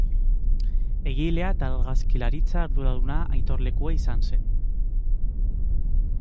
Egilea eta argazkilaritza arduraduna Aitor Lekue izan zen.